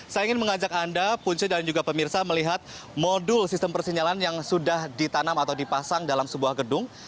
saya ingin mengajak anda punce dan juga pemirsa melihat modul sistem persinyalan yang sudah ditanam atau dipasang dalam sebuah gedung